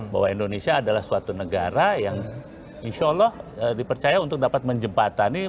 bahwa indonesia adalah suatu negara yang insya allah dipercaya untuk dapat menjembatani